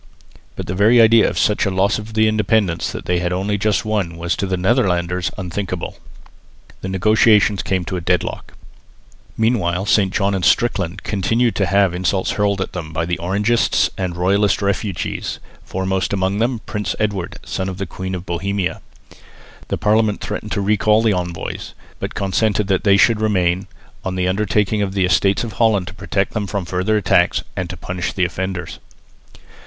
But the very idea of such a loss of the independence that they had only just won was to the Netherlanders unthinkable. The negotiations came to a deadlock. Meanwhile St John and Strickland continued to have insults hurled at them by Orangists and royalist refugees, foremost amongst them Prince Edward, son of the Queen of Bohemia. The Parliament threatened to recall the envoys, but consented that they should remain, on the undertaking of the Estates of Holland to protect them from further attacks, and to punish the offenders.